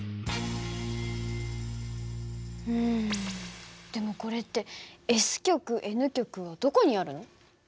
うんでもこれってＳ極Ｎ極はどこにあるの？